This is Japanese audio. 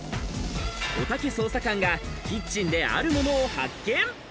おたけ捜査感がキッチンであるものを発見。